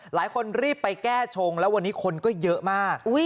หลายคนรีบไปแก้ชงแล้ววันนี้คนก็เยอะมาก